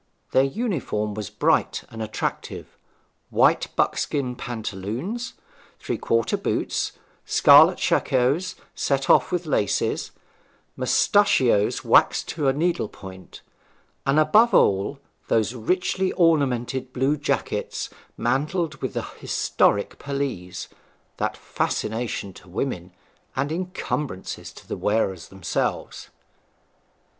Their uniform was bright and attractive; white buckskin pantaloons, three quarter boots, scarlet shakos set off with lace, mustachios waxed to a needle point; and above all, those richly ornamented blue jackets mantled with the historic pelisse that fascination to women, and encumbrance to the wearers themselves.